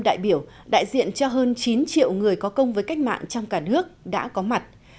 ba trăm năm mươi năm đại biểu đại diện cho hơn chín triệu người có công với cách mạng trong cả nước đã có mặt